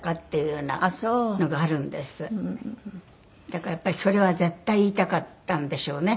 だからやっぱりそれは絶対言いたかったんでしょうね